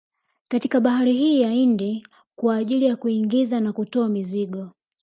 Katika bahari hii ya Hindi kwa ajili ya kuingiza na kutoa mizigo